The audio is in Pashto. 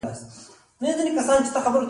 دا طبقه باید دېرش سلنه رطوبت ولري